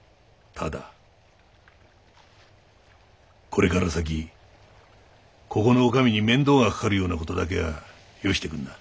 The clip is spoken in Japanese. これから先ここの女将に面倒がかかるような事だけはよしてくんな。